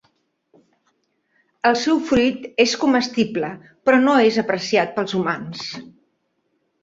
El seu fruit és comestible però no és apreciat pels humans.